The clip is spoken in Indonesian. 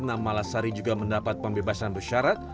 namalasari juga mendapat pembebasan bersyarat